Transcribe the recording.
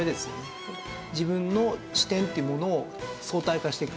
自分の視点っていうものを相対化していく。